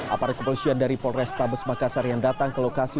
apalagi kepolisian dari polres tabes makassar yang datang ke lokasi